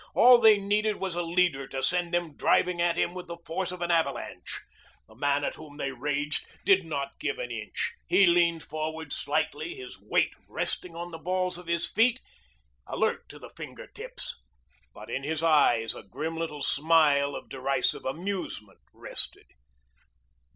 All they needed was a leader to send them driving at him with the force of an avalanche. The man at whom they raged did not give an inch. He leaned forward slightly, his weight resting on the balls of his feet, alert to the finger tips. But in his eyes a grim little smile of derisive amusement rested.